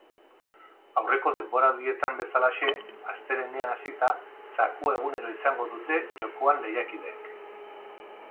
Aurreko denboraldietan bezalaxe, astelehenean hasita, zakua egunero izango dute jokoan lehiakideek.